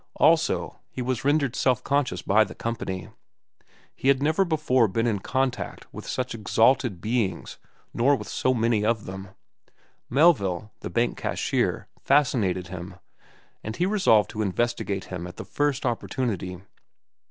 Also, he was rendered self conscious by the company. He had never before been in contact with such exalted beings nor with so many of them. Melville, the bank cashier, fascinated him, and he resolved to investigate him at the first opportunity.